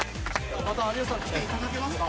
また有吉さん来ていただけますか？